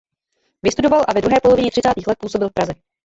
Vystudoval a ve druhé polovině třicátých let působil v Praze.